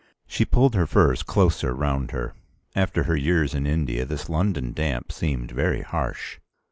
She pulled her furs closer round her; after her years in India this London damp seemed very harsh.